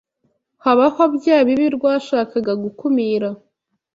habaho bya bibi rwashakaga gukumīra